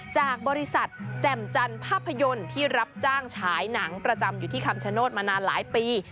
จากบริษัทแจ่มจันทร์ภาพยนตร์ที่รับจ้างฉายหนังประจำอยู่ที่คำชโนธมานานหลายปี